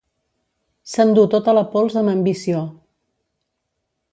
S'endú tota la pols amb ambició.